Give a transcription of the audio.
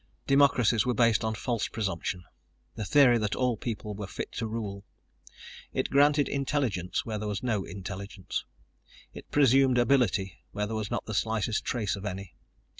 Democracies were based on a false presumption the theory that all people were fit to rule. It granted intelligence where there was no intelligence. It presumed ability where there was not the slightest trace of any.